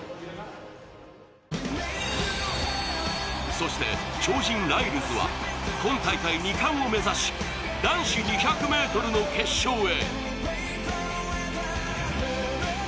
そして、超人ライルズは今大会２冠を目指し男子２００ｍの決勝へ。